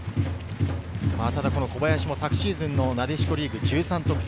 小林も昨シーズンのなでしこリーグ、１３得点。